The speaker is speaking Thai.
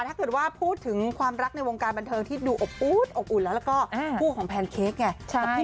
ถ้าคือว่าพูดถึงความรักในวงการบันเทิงที่ดูอบอุดแล้วก็คู่ของแพนเค้กไง